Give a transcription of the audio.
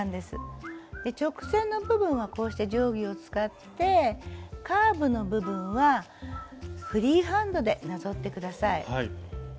直線の部分はこうして定規を使ってカーブの部分はフリーハンドでなぞって下さい。